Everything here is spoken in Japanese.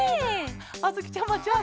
あづきちゃまじゃあさ。